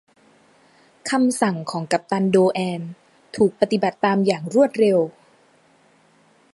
คำสั่งของกัปตันโดแอนถูกปฏิบัติตามอย่างรวดเร็ว